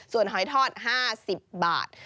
ส่วนหอยทอด๕๐บาท